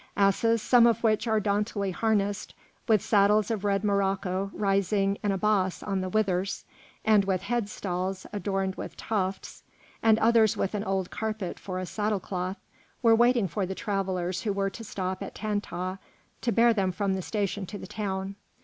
Asses, some of which are daintily harnessed, with saddles of red morocco rising in a boss on the withers, and with headstalls adorned with tufts, and others with an old carpet for a saddle cloth, were waiting for the travellers who were to stop at Tantah to bear them from the station to the town.